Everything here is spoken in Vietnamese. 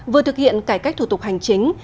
vừa thực hiện cải cách thủ tục hành chính